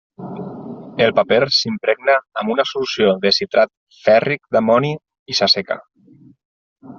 El paper s'impregna amb una solució de citrat fèrric d'amoni i s'asseca.